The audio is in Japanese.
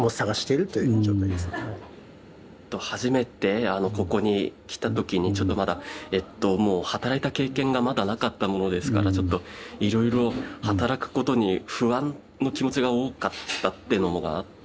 初めてここに来た時にちょっとまだえっと働いた経験がまだなかったものですからちょっといろいろ働くことに不安の気持ちが多かったっていうのがあって。